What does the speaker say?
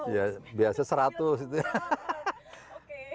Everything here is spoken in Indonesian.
ya biasa seratus gitu ya